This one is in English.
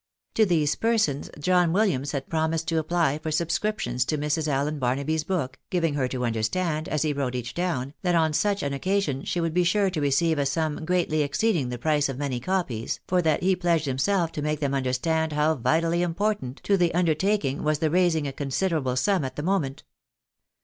To these persons, John Williams had promised to apply for subscriptions to Mrs. Allen Barnaby's book, giving her to understand, as he wrote each down, that on such an occasion she would be sure to receive a sum greatly exceeding the MARITAL ADMIRATION OF THE MAJOR. 245 price of many copies, for that he pledged himself to make them understand how vitally important to the undertaking was the rais ing a considerable sum at the moment.